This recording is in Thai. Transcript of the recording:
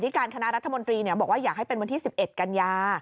ตัวขณะรัฐมนตรีเนี่ยอยากให้เป็นวันที่๑๑กัญญา